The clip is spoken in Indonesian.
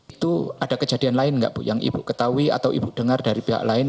itu ada kejadian lain nggak bu yang ibu ketahui atau ibu dengar dari pihak lain